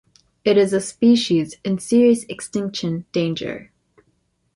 It is a species in serious extinction danger.